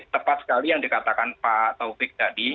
tepat sekali yang dikatakan pak taufik tadi